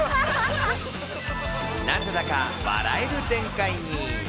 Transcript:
なぜだか笑える展開に。